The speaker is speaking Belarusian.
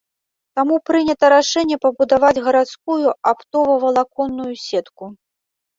Таму прынята рашэнне пабудаваць гарадскую аптова-валаконную сетку.